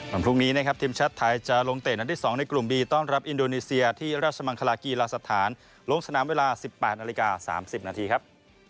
พรุ่งนี้นะครับทีมชาติไทยจะลงเตะนัดที่๒ในกลุ่มบีต้อนรับอินโดนีเซียที่ราชมังคลากีฬาสถานลงสนามเวลา๑๘นาฬิกา๓๐นาทีครับ